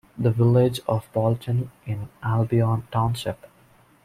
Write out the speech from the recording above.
The village of Bolton in Albion Township.